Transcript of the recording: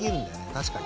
確かに。